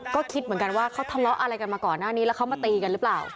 ก็คิดเหมือนกันว่าเขาทะเลาะอะไรกันมาก่อนหน้านี้แล้วเขามาตีกันหรือเปล่า